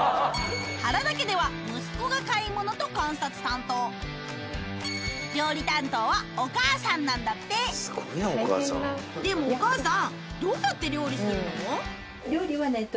原田家では息子が買い物と観察担当料理担当はお母さんなんだってでもお母さんどうやって料理するの？